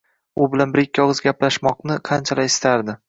U bilan bir-ikki og'iz gaplashmoqni qanchalar istardi.